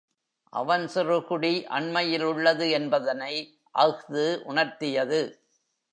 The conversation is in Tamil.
அவன் சிறுகுடி அண்மையில் உள்ளது என்பதனை அஃது உணர்த்தியது.